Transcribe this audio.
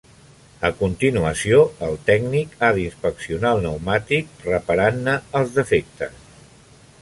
A continuació, el tècnic ha d'inspeccionar el pneumàtic, reparant-ne els defectes.